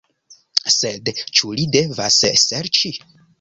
Sed ĉu li devas serĉi?